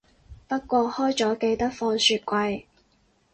不過開咗記得放雪櫃